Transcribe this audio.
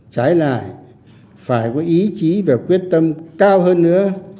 trái lại phải có ý chí và quyết tâm cao hơn nữa